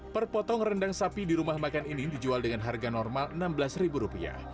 perpotong rendang sapi di rumah makan ini dijual dengan harga normal enam belas ribu rupiah